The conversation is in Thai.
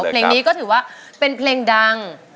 เพลงนี้ก็ถือว่าเป็นเพลงดัง